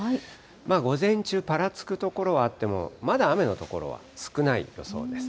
午前中、ぱらつく所はあっても、まだ雨の所は少ない予想です。